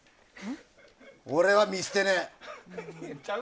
俺は見捨てねえ。